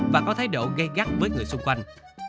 và có thái độ gây gắt với người xung quanh